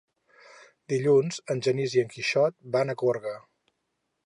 Dilluns en Genís i en Quixot van a Gorga.